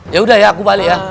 yaudah ya aku balik ya